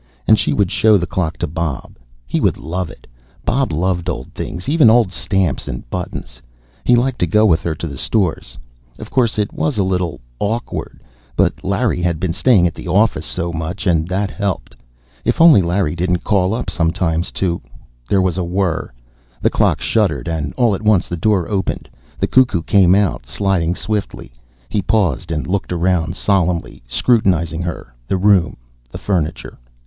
And she would show the clock to Bob. He would love it; Bob loved old things, even old stamps and buttons. He liked to go with her to the stores. Of course, it was a little awkward, but Larry had been staying at the office so much, and that helped. If only Larry didn't call up sometimes to There was a whirr. The clock shuddered and all at once the door opened. The cuckoo came out, sliding swiftly. He paused and looked around solemnly, scrutinizing her, the room, the furniture.